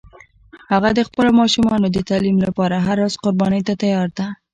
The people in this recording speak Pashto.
هغه د خپلو ماشومانو د تعلیم لپاره هر راز قربانی ته تیار ده